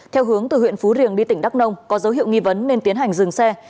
theo hướng từ huyện phú riềng đi tỉnh đắk nông có dấu hiệu nghi vấn nên tiến hành dừng xe